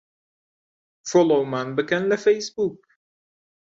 فۆلۆومان بکەن لە فەیسبووک.